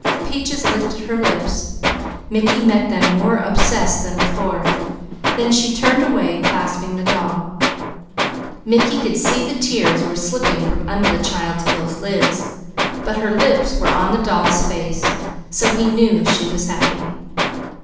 Peaches lifted her lips. Mickey met them more obsessed than before. Then she turned away, clasping the doll. Mickey could see that the tears were slipping from under the child's closed lids, but her lips were on the doll face, so he knew she was happy.